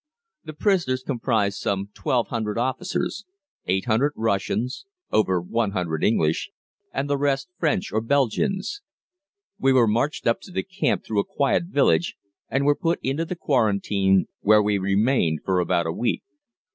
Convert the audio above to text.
The prisoners comprised some 1200 officers 800 Russians, over 100 English, and the rest French or Belgians. We were marched up to the camp through a quiet village, and were put into the quarantine, where we remained for about a week.